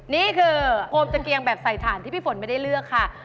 นี่คือโฮมตะเกียงแบบใส่ถ่านที่พี่ฝนไม่ได้เลือกค่ะ